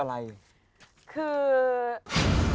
โปรดติดตามตอนต่อไป